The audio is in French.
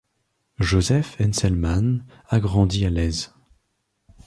Josef Henselmann a grandi à Laiz.